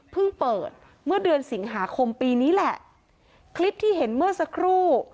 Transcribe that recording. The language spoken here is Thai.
เปิดเมื่อเดือนสิงหาคมปีนี้แหละคลิปที่เห็นเมื่อสักครู่